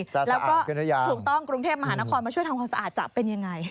แล้วก็ถูกต้องกรุงเทพมหานครมาช่วยทำความสะอาดจะเป็นยังไง